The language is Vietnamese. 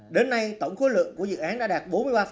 đến nay tổng khối lượng của dự án đã đạt bốn mươi ba